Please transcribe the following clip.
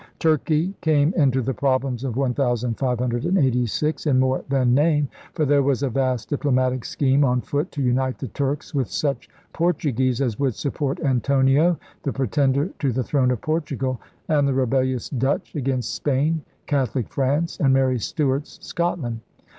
Turkey came into the problems of 1586 in more than name, for there was a vast diplomatic scheme on foot to unite the Turks with such Portuguese as would support Antonio, the pretender to the throne of Portugal, and the rebellious Dutch against Spain, Catholic France, and Mary Stuart's Scotland.